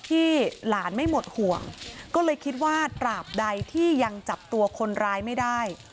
ที่หลานไม่หมดห่วงก็เลยคิดว่าตราบใดที่ยังจับตัวคนร้ายไม่ได้